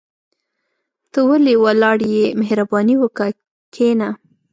ته ولي ولاړ يى مهرباني وکاه کشينه